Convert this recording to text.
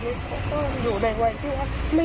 เมื่อเข้าไปช่วงเช้า